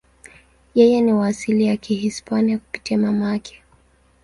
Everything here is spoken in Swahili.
Yeye ni wa asili ya Kihispania kupitia mama yake.